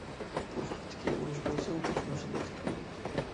قۇرۇقلۇقتىكى ئۇرۇش بولسا تېخىمۇ شىددەتلىك بولدى.